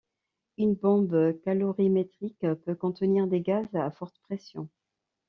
Une bombe calorimétrique peut contenir des gaz à fortes pressions.